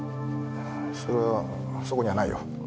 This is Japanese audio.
それはそこにはないよ。